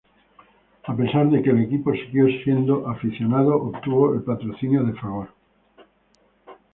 A pesar de que el equipo siguió siendo aficionado, obtuvo el patrocinio de Fagor.